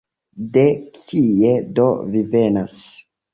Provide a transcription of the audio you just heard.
De kie do vi venas?